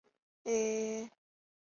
其为永乐二十二年封。